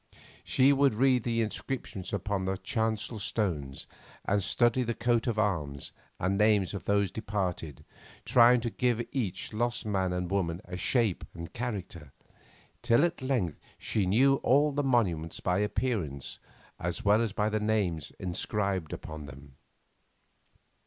She would read the inscriptions upon the chancel stones and study the coats of arms and names of those departed, trying to give to each lost man and woman a shape and character, till at length she knew all the monuments by appearance as well as by the names inscribed upon them.